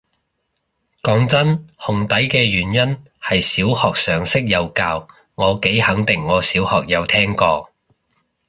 講真，紅底嘅原因係小學常識有教，我幾肯定我小學有聽過